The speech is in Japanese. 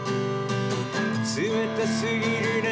「冷めたすぎるね」